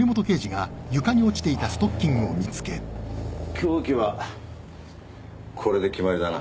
凶器はこれで決まりだな。